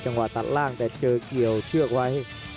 ตัดล่างแต่เจอเกี่ยวเชือกไว้